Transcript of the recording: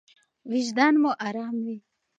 وجدان مو ارام وي.